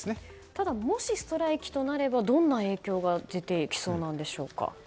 ただ、もしストライキとなればどんな影響が出てきそうなんでしょうか。